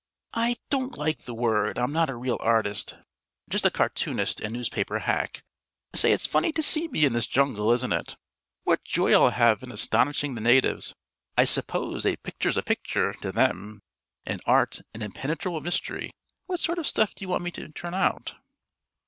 "I don't like the word. I'm not a real artist just a cartoonist and newspaper hack. Say, it's funny to see me in this jungle, isn't it? What joy I'll have in astonishing the natives! I s'pose a picture's a picture, to them, and Art an impenetrable mystery. What sort of stuff do you want me to turn out?"